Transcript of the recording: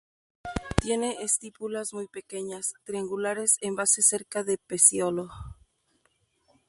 Tiene estípulas muy pequeñas, triangulares, en la base cerca de pecíolo.